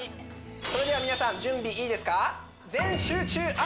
それでは皆さん準備いいですか？